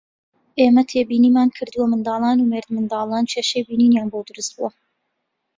ئێمە تێبینیمان کردووە منداڵان و مێردمنداڵان کێشەی بینینیان بۆ دروستبووە